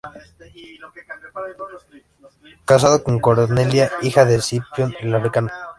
Casado con Cornelia, hija de Escipión el Africano.